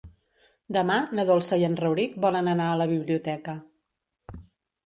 Demà na Dolça i en Rauric volen anar a la biblioteca.